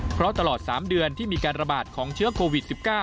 เพราะตลอด๓เดือนที่มีการระบาดของเชื้อโควิด๑๙